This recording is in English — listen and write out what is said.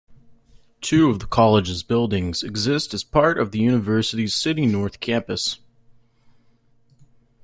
Two of the college's buildings exist as part of the university's City North Campus.